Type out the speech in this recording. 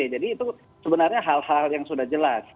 jadi itu sebenarnya hal hal yang sudah jelas